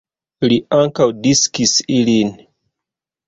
Li ankaŭ diskis ilin.